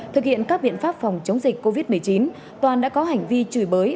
thực hiện các biện pháp phòng chống dịch covid một mươi chín toàn đã có hành vi chửi bới